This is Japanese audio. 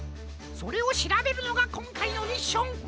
それをしらべるのがこんかいのミッション！